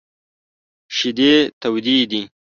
شیدې تودې دي !